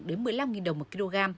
đến một mươi năm nghìn đồng một kg